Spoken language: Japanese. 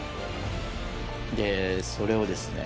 それをですね